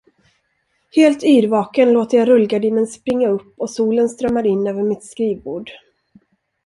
Helt yrvaken låter jag rullgardinen springa upp och solen strömmar in över mitt skrivbord.